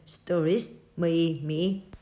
stories mới mỹ